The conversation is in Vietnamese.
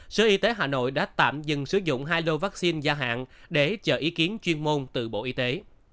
sở y tế hà nội đã tạm dừng sử dụng hai lô vaccine gia hạn để chờ ý kiến chuyên môn từ bộ y tế